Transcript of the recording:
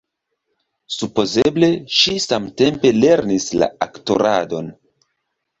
Supozeble ŝi samtempe lernis la aktoradon.